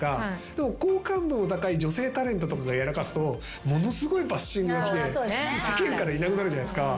でも好感度の高い女性タレントとかがやらかすとものすごいバッシングがきて世間からいなくなるじゃないですか。